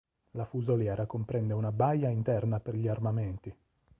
La fusoliera comprende una baia interna per gli armamenti.